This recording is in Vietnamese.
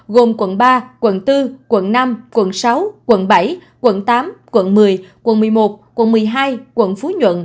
gồm quận ba quận bốn quận năm quận sáu quận bảy quận tám quận một mươi quận một mươi một quận một mươi hai quận phú nhuận